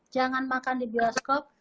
jangan makan di bioskop